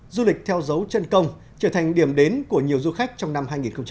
du lịch theo dấu chân công trở thành điểm đến của nhiều du khách trong năm hai nghìn hai mươi